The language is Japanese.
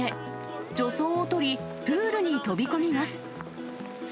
助走を取り、プールに飛び込みます。